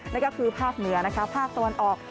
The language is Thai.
นั่นก็คือภาคเหนือนะคะภาคตะวันออก